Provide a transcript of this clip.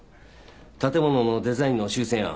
建物のデザインの修正案